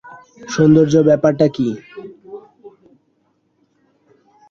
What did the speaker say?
সৌন্দর্য ব্যাপারটা কি?